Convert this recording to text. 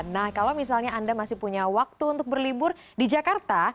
nah kalau misalnya anda masih punya waktu untuk berlibur di jakarta